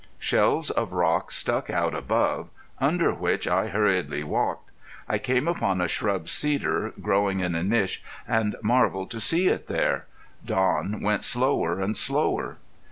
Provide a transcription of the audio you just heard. Shelves of rock stuck out above under which I hurriedly walked. I came upon a shrub cedar growing in a niche and marveled to see it there. Don went slower and slower.